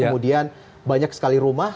kemudian banyak sekali rumah